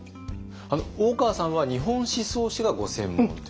大川さんは日本思想史がご専門という。